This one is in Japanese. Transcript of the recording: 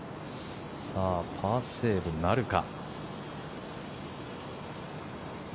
パーセーブなるか。